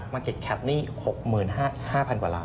มาเก็บแคปนี่๖๕๐๐๐บาทกว่าล้าน